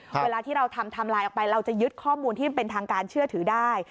เวลาที่เราทำไทม์ไลน์ออกไปเราจะยึดข้อมูลที่เป็นทางการเชื่อถือได้